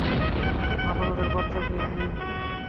আপনাদের বাচ্চাকে নিন।